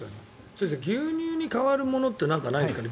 先生、牛乳に代わるものって何かないんですかね。